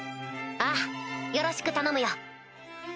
ああよろしく頼むよ。